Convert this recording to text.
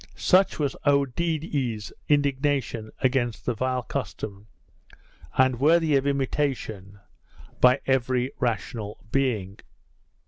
Such was Oedidee's indignation against the vile custom; and worthy of imitation by every rational being.